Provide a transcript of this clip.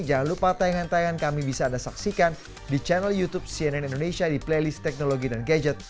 jangan lupa tayangan tayangan kami bisa anda saksikan di channel youtube cnn indonesia di playlist teknologi dan gadget